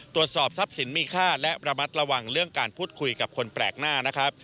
ตรวจสอบทรัพย์สินมีค่าและระมัดระวังเรื่องการพูดคุยกับคนแปลกหน้านะครับ